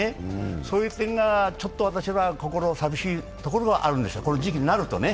そういう点が私は心寂しいことがあるんですよ、この時期になるとね。